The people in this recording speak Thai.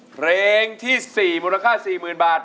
เพลงที่๔มูลค่า๔หมื่นบาท